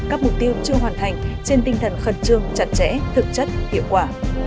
các mục tiêu chưa hoàn thành trên tinh thần khẩn trương chặt chẽ thực chất hiệu quả